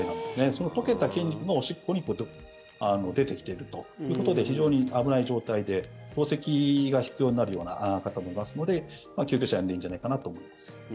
その溶けた筋肉がおしっこに出てきてるということで非常に危ない状態で透析が必要になるような方もいますので救急車を呼んでいいんじゃないかなと思います。